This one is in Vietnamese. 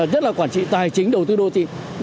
nhất là quản trị tài chính đầu tư đô thị